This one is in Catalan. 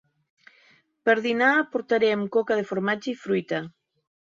Per dinar portarem coca de formatge i fruita.